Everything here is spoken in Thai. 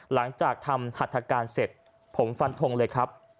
หลังจากทำหัตถการเสร็จผมฟันทงเลยครับ